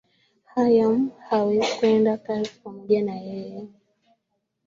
hayam hawezi kwenda kazi pamoja na yeye